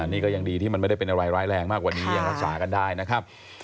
นี่ก็ยังดีที่มันไม่ได้เป็นอะไรร้ายแรงมากกว่านี้ยังรักษากันได้นะครับ